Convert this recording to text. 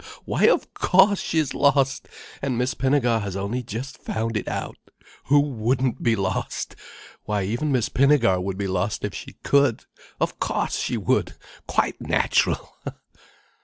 _ Why of cauce she's lost! And Miss Pinnegar has only just found it out. Who wouldn't be lost? Why even Miss Pinnegar would be lost if she could. Of cauce she would! Quite natch'ral!"